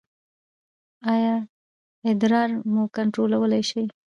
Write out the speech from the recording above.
ایا ادرار مو کنټرولولی شئ؟